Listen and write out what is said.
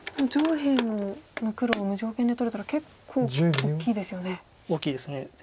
上辺の黒を無条件で取れたら結構大きいですよね。